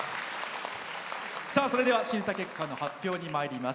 それでは審査結果の発表にまいります。